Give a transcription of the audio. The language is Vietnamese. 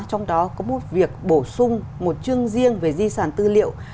trong đó có một việc bổ sung một chương riêng về di sản tư liệu